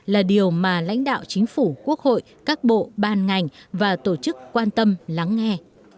là điều mà lãnh đạo chính phủ quốc hội các bộ ban ngành và tổ chức quan tâm lắng nghe